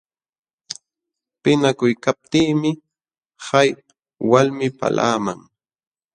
Pinqakuykaptiimi hay walmi palaqman.